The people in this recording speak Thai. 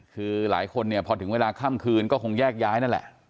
คือหลายคนเนี่ยพอถึงเวลาค่ำคืนก็คงแยกย้ายนั่นแหละ